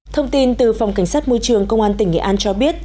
thông tin từ phòng cảnh sát môi trường công an tỉnh nghệ an cho biết